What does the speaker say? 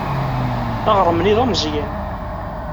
Aɣrem-nni d ameẓyan.